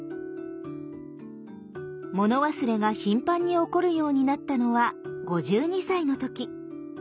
物忘れが頻繁に起こるようになったのは５２歳の時。